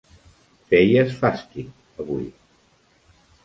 Feies fàstic avui.